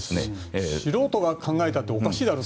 素人が考えたっておかしいだろと。